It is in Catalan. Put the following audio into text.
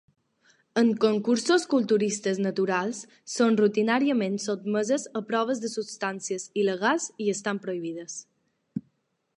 En concursos culturistes naturals són rutinàriament sotmeses a proves de substàncies il·legals i estan prohibides.